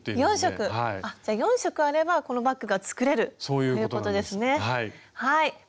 ４色あればこのバッグが作れるっていうことですね。